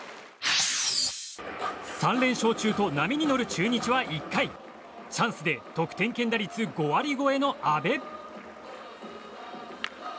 ３連勝中と波に乗る中日は１回チャンスで得点圏打率５割超えの阿部。